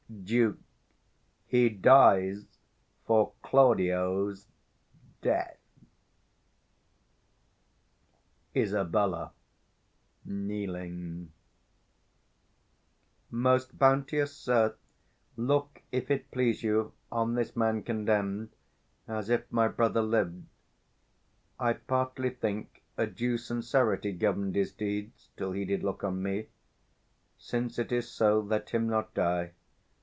440 Duke. He dies for Claudio's death. Isab. Most bounteous sir, [Kneeling. Look, if it please you, on this man condemn'd, As if my brother lived: I partly think A due sincerity govern'd his deeds, Till he did look on me: since it is so, 445 Let him not die.